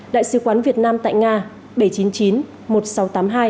đại sứ quán việt nam tại nga